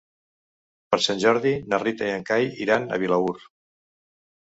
Per Sant Jordi na Rita i en Cai iran a Vilaür.